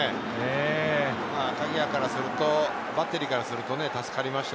鍵谷からするとバッテリーからすると、助かりました。